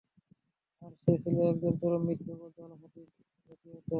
আর সে ছিল একজন চরম মিথ্যুক ও জাল হাদীস রচয়িতা।